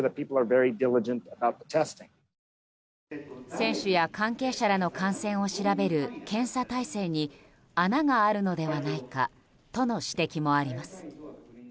選手や関係者らの感染を調べる検査体制に穴があるのではないかとの指摘もあります。